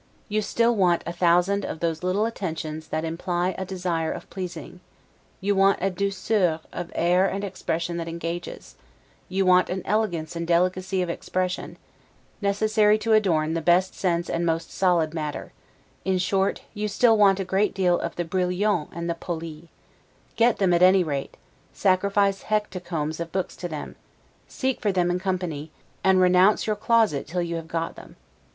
You still want a thousand of those little attentions that imply a desire of pleasing: you want a 'douceur' of air and expression that engages: you want an elegance and delicacy of expression, necessary to adorn the best sense and most solid matter: in short, you still want a great deal of the 'brillant' and the 'poli'. Get them at any rate: sacrifice hecatombs of books to them: seek for them in company, and renounce your closet till you have got them.